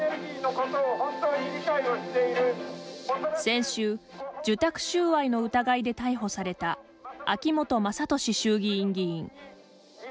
先週、受託収賄の疑いで逮捕された、秋本真利衆議院議員。